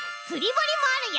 ぼりもあるよ！